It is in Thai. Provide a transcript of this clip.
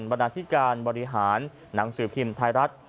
บรรณาธิการบริหารหนังสือพิมพ์ไทยรัฐ